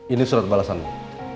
ini surat balasanmu